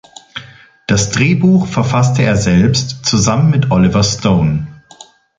Das Drehbuch verfasste er selbst zusammen mit Oliver Stone.